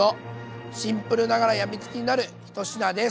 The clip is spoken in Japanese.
シンプルながら病みつきになるひと品です。